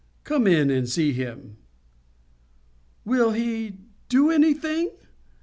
Come in and see him." "Will he do anything?"